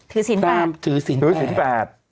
ถือสินแปดถือสินแปด